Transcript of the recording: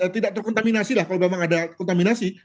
tidak terkontaminasi lah kalau memang ada kontaminasi